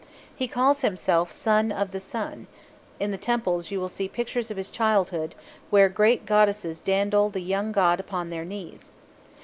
He calls himself "Son of the Sun"; in the temples you will see pictures of his childhood, where great goddesses dandle the young god upon their knees (Plate 2).